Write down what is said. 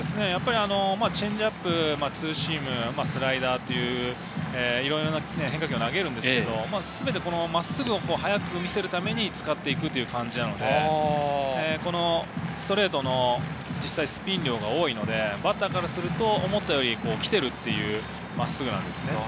チェンジアップ、ツーシーム、スライダー、いろいろな変化球を投げるんですけれど全て真っすぐを速く見せるために使っていくという感じなので、ストレートの実際スピン量が多いので、バッターからすると、思ったより来ている真っすぐなんですよね。